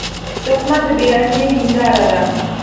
دښمن د بې رحمۍ هینداره ده